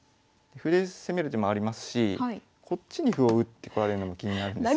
歩で攻める手もありますしこっちに歩を打ってこられるのも気になるんですよね。